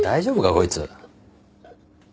こいつ。